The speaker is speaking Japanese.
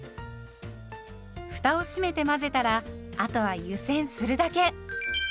ふたを閉めて混ぜたらあとは湯煎するだけ。